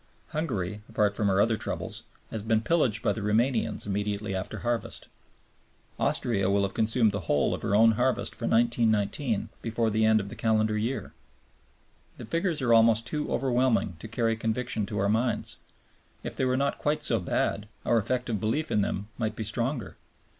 Hungary, apart from her other troubles, has been pillaged by the Romanians immediately after harvest. Austria will have consumed the whole of her own harvest for 1919 before the end of the calendar year. The figures are almost too overwhelming to carry conviction to our minds; if they were not quite so bad, our effective belief in them might be stronger.